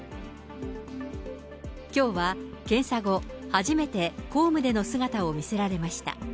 きょうは検査後、初めて公務での姿を見せられました。